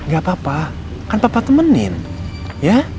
gak apa apa kan papa temenin ya